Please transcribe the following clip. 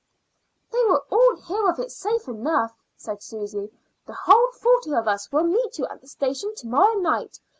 "They will all hear of it safe enough," said Susy. "The whole forty of us will meet you at the station to morrow night.